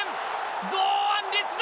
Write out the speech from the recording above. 堂安律だ。